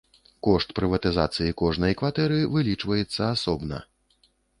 Кошт прыватызацыі кожнай кватэры вылічваецца асобна.